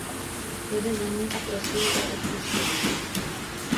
Jede za ní a prosí ji o odpuštění.